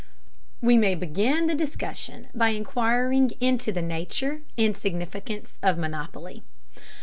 We may begin the discussion by inquiring into the nature and significance of monopoly.